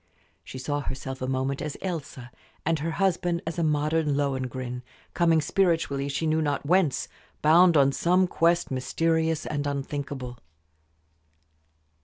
She saw herself a moment as Elsa, and her husband as a modern Lohengrin, coming spiritually she knew not whence, bound on some quest mysterious and unthinkable.